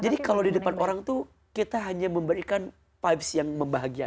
jadi kalau di depan orang tuh kita hanya memberikan vibes yang membahagiakan